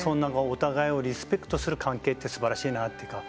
お互いをリスペクトする関係ってすばらしいなと。